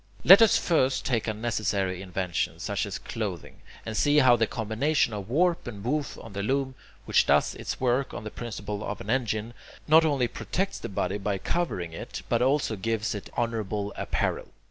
Let us take first a necessary invention, such as clothing, and see how the combination of warp and woof on the loom, which does its work on the principle of an engine, not only protects the body by covering it, but also gives it honourable apparel.